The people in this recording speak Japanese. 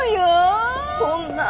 そんな。